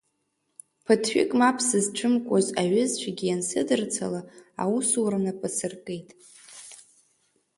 Ԥыҭҩык мап зысцәымкуаз аҩызцәагьы иансыдырцала аусура нап асыркит.